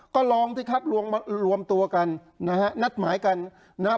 ก็ลองสิครับรวมมารวมตัวกันนะฮะนัดหมายกันนะฮะ